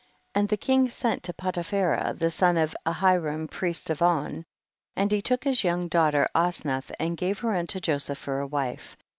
36. And the king sent to Poti phera, the son of Ahiram priest of On, and he took his young daughter Osnath and gave her unto Joseph for a wife.